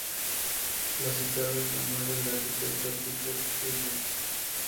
La citada es la madre del arquitecto Peter Steiger.